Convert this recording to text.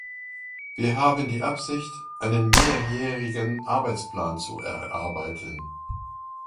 Wir haben die Absicht, einen mehrjährigen Arbeitsplan zu erarbeiten.